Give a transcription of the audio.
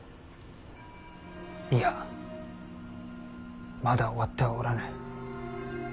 いやまだ終わってはおらぬ。